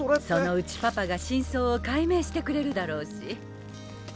そのうちパパが真相を解明してくれるだろうし。